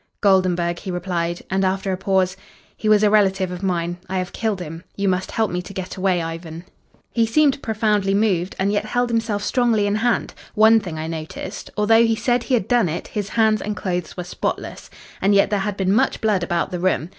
"'Goldenburg,' he replied. And after a pause: 'He was a relative of mine. I have killed him. You must help me to get away, Ivan.' "He seemed profoundly moved and yet held himself strongly in hand. One thing I noticed. Although he said he had done it, his hands and clothes were spotless. And yet there had been much blood about the room.